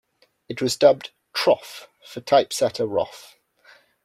It was dubbed "troff", for "typesetter roff".